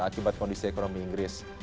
akibat kondisi ekonomi inggris